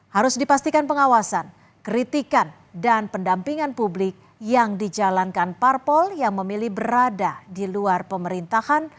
harus dipastikan pengawasan kritikan dan pendampingan publik yang dijalankan parpol yang memilih berada di luar pemerintahan